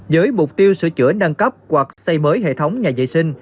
với mục tiêu sửa chữa nâng cấp hoặc xây mới hệ thống nhà vệ sinh